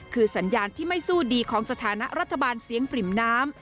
คือสัญญาณที่ไม่สู้ดีของสถานะรัฐบาลเสียงปริ่มน้ำ